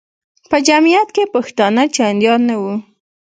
په جمیعت کې پښتانه چندان نه وو.